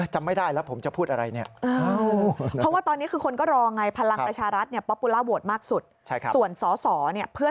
จังงั้นคล้อยกันประมาณชั่วโมงนึง